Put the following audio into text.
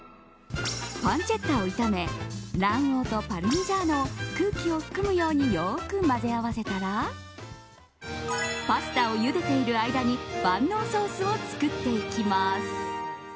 パンチェッタを炒め卵黄とパルミジャーノを空気を含むようによく混ぜ合わせたらパスタをゆでている間に万能ソースを作っていきます。